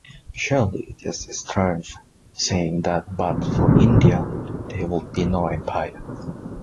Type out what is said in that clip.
Surely this is strange, seeing that but for India there would be no Empire.